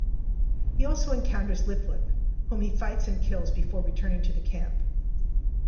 He also encounters Lip-Lip whom he fights and kills before returning to the camp.